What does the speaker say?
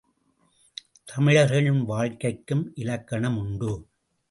தமிழர்களின் வாழ்க்கைக்கும் இலக்கணம் உண்டு.